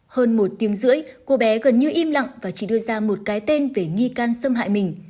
hơn một tiếng rưỡi cô bé gần như im lặng và chỉ đưa ra một cái tên về nghi can xâm hại mình